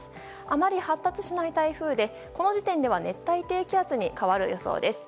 あまり発達しない台風でこの時点では熱帯低気圧に変わる予想です。